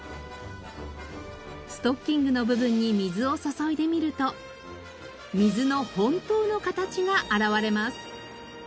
ストッキングの部分に水を注いでみると。が現れます。